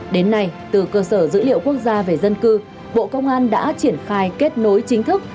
đến nay từ cơ sở dữ liệu quốc gia về dân cư bộ công an đã triển khai kết nối chính thức